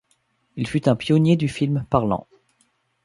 Il fut un pionnier du film parlant.